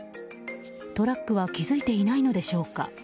トラックは気づいていないのでしょうか。